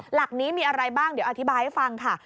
หลักนี้มีอะไรบ้างเดี๋ยวอธิบายให้ฟังค่ะ